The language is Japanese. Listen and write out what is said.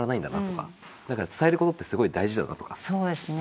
そうですね。